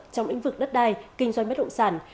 trong lĩnh vực đất đai kinh doanh bất động sản